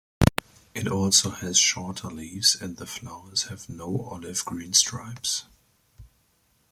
It also has shorter leaves and the flowers have no olive-green stripes.